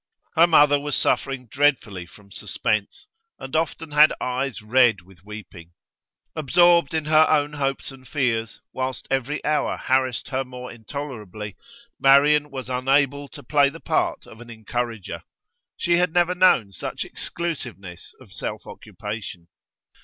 Her mother was suffering dreadfully from suspense, and often had eyes red with weeping. Absorbed in her own hopes and fears, whilst every hour harassed her more intolerably, Marian was unable to play the part of an encourager; she had never known such exclusiveness of self occupation.